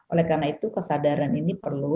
oleh karena itu kesadaran ini perlu